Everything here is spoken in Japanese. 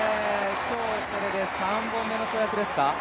今日、これで３本目の跳躍ですか。